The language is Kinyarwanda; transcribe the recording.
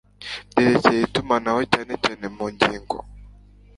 byerekeye itumanaho cyane cyane mu ngingo